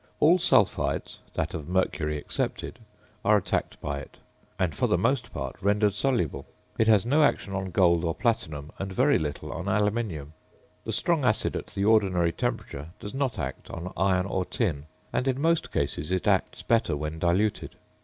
All sulphides (that of mercury excepted) are attacked by it, and for the most part rendered soluble. It has no action on gold or platinum, and very little on aluminium. The strong acid at the ordinary temperature does not act on iron or tin; and in most cases it acts better when diluted.